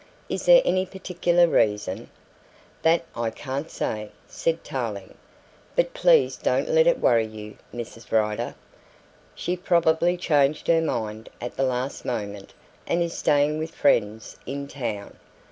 "Is there any particular reason?" "That I can't say," said Tarling. "But please don't let it worry you, Mrs. Rider. She probably changed her mind at the last moment and is staying with friends in town."